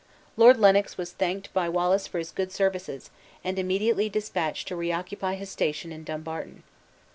Lord Lennox was thanked by Wallace for his good services, and immediately dispatched to reoccupy his station in Dumbarton.